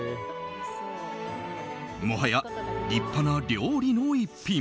もはや立派な料理の一品。